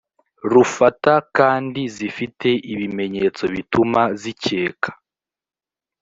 rufata kandi zifite ibimenyetso bituma zikeka